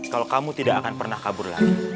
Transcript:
kalau kamu tidak akan pernah kabur lagi